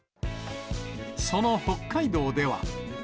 その北海道では。